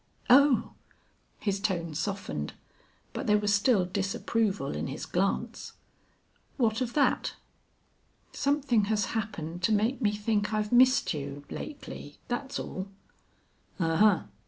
"Oh!" His tone softened, but there was still disapproval in his glance. "What of that?" "Something has happened to make me think I've missed you lately that's all." "Ahuh!"